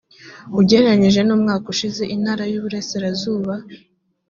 ugereranyije n umwaka ushize intara y uburasirazuba